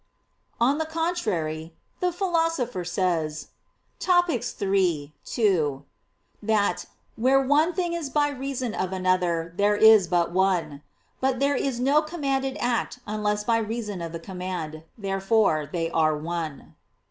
On the contrary, The Philosopher says (Topic. iii, 2) that "where one thing is by reason of another, there is but one." But there is no commanded act unless by reason of the command. Therefore they are one.